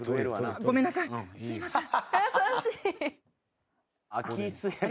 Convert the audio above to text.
すいません。